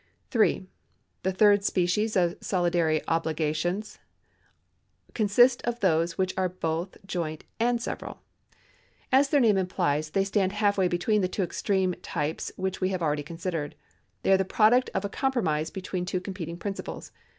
3. The third species of solidary obligation consists of those which are both joint and several. As their name implies, they stand half way between the two extreme types which we have already considered. They are the product of a com promise between two competing principles.